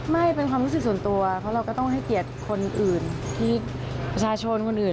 ไม่เป็นความรู้สึกส่วนตัวเพราะเราก็ต้องให้เกียรติคนอื่นที่ประชาชนคนอื่น